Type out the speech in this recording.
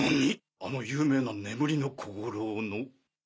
あの有名な眠りの小五郎の？